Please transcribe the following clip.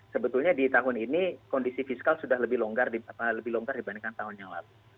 sebetulnya di tahun ini kondisi fiskal sudah lebih longgar dibandingkan tahun yang lalu